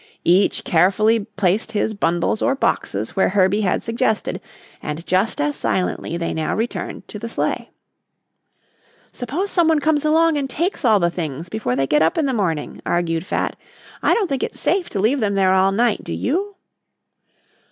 Each carefully placed his bundles or boxes where Herbie had suggested and just as silently they now returned to the sleigh. "Suppose someone comes along and takes all the things before they get up in the morning?" argued Fat. "I don't think it's safe to leave them there all night, do you?"